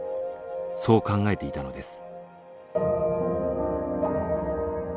そう考えていたのです。